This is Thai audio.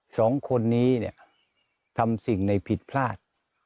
สองคนนี้ทำสิ่งในผิดพลาด